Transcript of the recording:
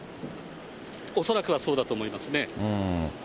恐らくはそうだと思いますね。